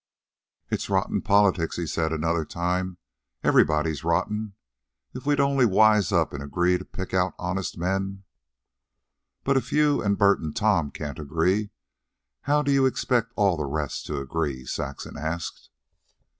"It's rotten politics," he said another time. "Everybody's rotten. If we'd only wise up and agree to pick out honest men " "But if you, and Bert, and Tom can't agree, how do you expect all the rest to agree?" Saxon asked.